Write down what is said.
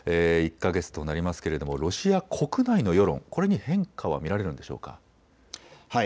１か月となりますけれども、ロシア国内の世論、これに変化は見られるんでしょうか。